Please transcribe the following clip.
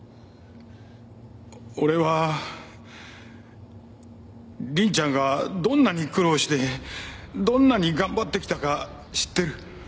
俺は凛ちゃんがどんなに苦労してどんなに頑張ってきたか知ってる。